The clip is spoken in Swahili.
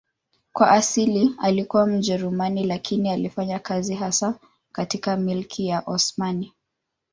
Kwa asili alikuwa Mjerumani lakini alifanya kazi hasa katika Milki ya Osmani.